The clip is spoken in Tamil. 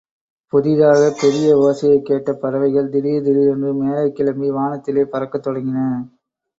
புதிதாகப் பெரிய ஓசையைக் கேட்ட பறவைகள் திடீர் திடீரென்று மேலே கிளம்பி வானத்திலே பறக்கத் தொடங்கின.